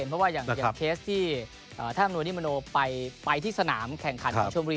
เพราะว่าอย่างเคสที่ท่านอำนวนิมโนไปที่สนามแข่งขันของชมบุรี